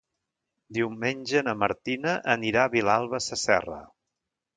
Diumenge na Martina anirà a Vilalba Sasserra.